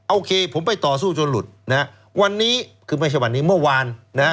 โอเคผมไปต่อสู้จนหลุดนะฮะวันนี้คือไม่ใช่วันนี้เมื่อวานนะฮะ